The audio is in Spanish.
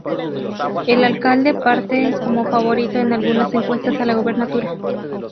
El alcalde parte como favorito en algunas encuestas a la gobernatura.